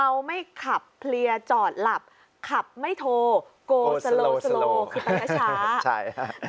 เบาไม่ขับเพลียจอดหลับขับไม่โทรก็สโลคือปัญหาช้า